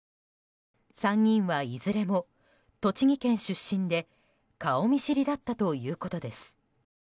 ３人は、いずれも栃木県出身で顔見知りだったということです。